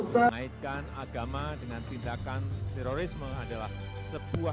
mengaitkan agama dengan tindakan terorisme adalah sebuah